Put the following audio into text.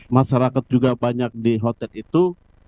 masyarakat juga banyak di hotel itu